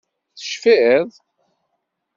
Tecfiḍ?